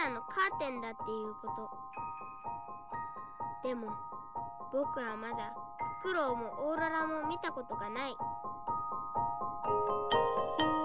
でも僕はまだフクロウもオーロラも見たことがない。